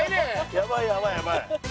やばいやばいやばい。